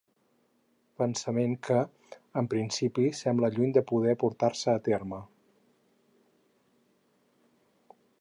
Pensament que, en principi, sembla lluny de poder portar-se a terme.